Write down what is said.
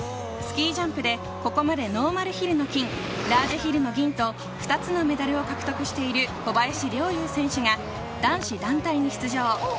スキージャンプでここまでノーマルヒルの金、ラージヒルの銀と、２つのメダルを獲得している小林陵侑選手が、男子団体に出場。